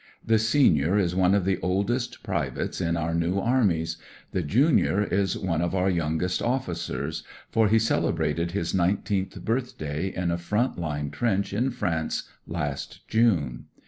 The senior is one of the oldest privates in our New Armies; the junior is one of our 154 " STICKFAST " AND OFFICER 165 youngest officers, for he celebrated his nineteenth birthday in a front Une trench in France last June.